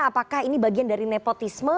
apakah ini bagian dari nepotisme